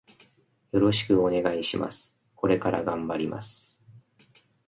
よろしくお願いします。これから頑張ります。